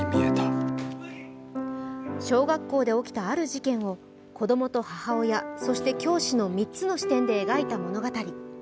小学校で起きたある事件を子供と母親、そして教師の３つの視点で描いた物語。